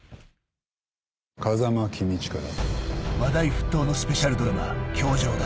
「風間公親だ」